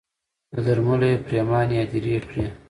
له درملو یې پرېماني هدیرې کړې